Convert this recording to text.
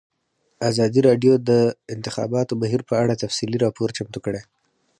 ازادي راډیو د د انتخاباتو بهیر په اړه تفصیلي راپور چمتو کړی.